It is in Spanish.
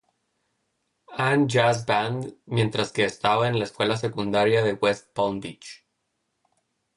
Ann Jazz Band, mientras que estaba en la escuela secundaria de West Palm Beach.